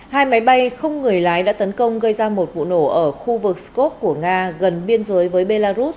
hai máy bay không người lái đã tấn công gây ra một vụ nổ ở khu vực scot của nga gần biên giới với belarus